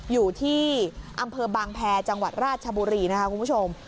อยู่ที่อำเภอบางแพรจังหวัดราชบุรีนะคะคุณผู้ชม